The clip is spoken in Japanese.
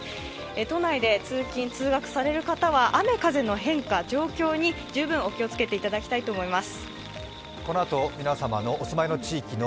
都内で通勤・通学される方は雨風の状況の変化に十分お気をつけていただきたいと思います。